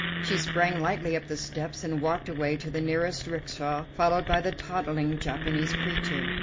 She sprang lightly up the steps and walked away to the nearest 'rickshaw, followed by the toddling Japanese creature.